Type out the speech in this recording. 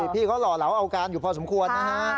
พี่เขาหล่อเหลาเอาการอยู่พอสมควรนะฮะ